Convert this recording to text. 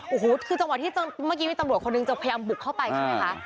โอ้โหคือจังหวะที่เมื่อกี้มีตำรวจคนหนึ่งจะพยายามบุกเข้าไปใช่ไหมคะ